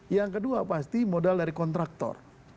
yang kedua pasti modal dari kontraktor